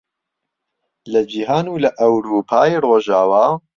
لە جیهان و لە ئەورووپای ڕۆژاوا